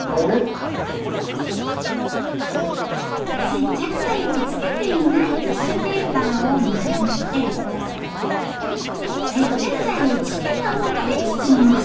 接着剤をつけていないティッシュペーパーを丸めて接着剤をつけたもので包みます。